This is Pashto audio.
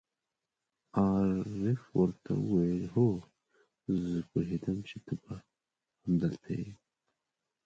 عارف ور ته وویل: هو، زه پوهېدم چې ته به همدلته یې.